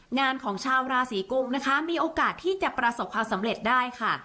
งานของชาวราศีกุมนะคะมีโอกาสที่จะประสบความสำเร็จได้ค่ะ